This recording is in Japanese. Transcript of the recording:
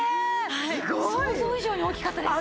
想像以上に大きかったです。